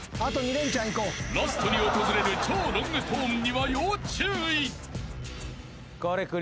［ラストに訪れる超ロングトーンには要注意］